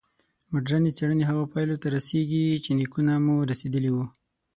مډرني څېړنې هغو پایلو ته رسېږي چې نیکونه مو رسېدلي وو.